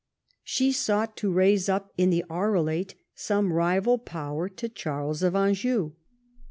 She sought to raise up in the Arelate some rival power to Charles of Anjou.